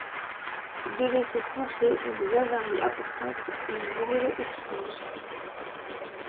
Deux vaisseaux français ont des avaries importantes et un brûlot explose.